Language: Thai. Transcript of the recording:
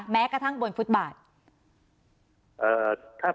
แม้กระทั่งบนฟุตบาท